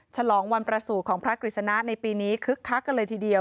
ฉลองวันประสูจน์ของพระกฤษณะในปีนี้คึกคักกันเลยทีเดียว